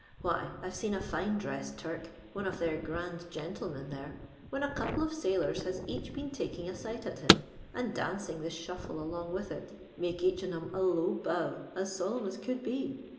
Why, I've seen a fine dressed Turk, one of their grand gentlemen there^ when a couple of sailors has each been taking • sight at him, and dancing the shuffle aloog witli it, make each on 'em a low bow, as solemn as ctmld be.